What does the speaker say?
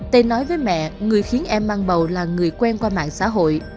tây nói với mẹ người khiến em mang bầu là người quen qua mạng xã hội